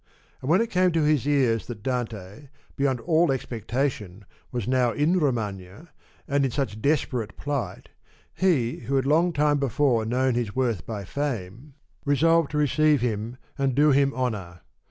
And when it came to his ears that Dante, beyond all expectation, was now in Romagna and in such des perate plight, he, who had long time before known his worth by fame, resolved to receive him and do him honour.